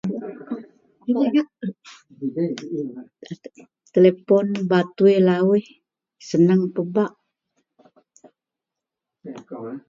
–telepon batui lawuih senang pebak–..